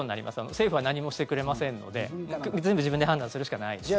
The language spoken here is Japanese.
政府は何もしてくれませんので全部自分で判断するしかないですね。